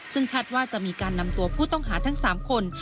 ซึ่งคาดว่าจะมีการนำตัวผู้ต้องหาทั้ง๓คน